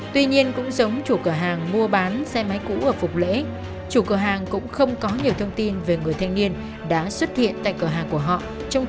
tuy nhiên cũng giống chủ cửa hàng mua bán xe máy cũ ở phục lễ chủ cửa hàng cũng không có nhiều thông tin về người thanh niên đã xuất hiện tại cửa hàng của họ trong chiều hai mươi năm tháng năm năm hai nghìn một mươi